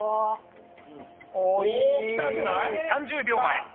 ３０秒前。